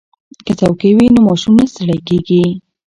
که څوکۍ وي نو ماشوم نه ستړی کیږي.